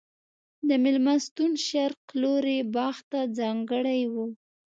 د مېلمستون شرق لوری باغ ته ځانګړی و.